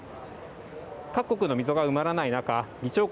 各国の水が埋まらない中議長国